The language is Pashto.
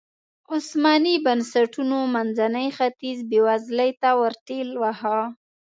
عثماني بنسټونو منځنی ختیځ بېوزلۍ ته ورټېل واهه.